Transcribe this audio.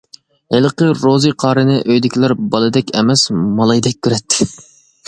ھېلىقى روزى قارىنى ئۆيىدىكىلەر بالىدەك ئەمەس مالايدەك كۆرەتتى.